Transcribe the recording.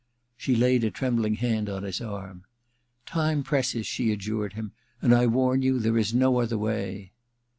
She laid a trembling hand on his arm. * Time presses,' she adjured him, * and I warn you there is no other way.'